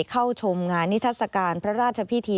เข้าชมงานนิทัศกาลพระราชพิธี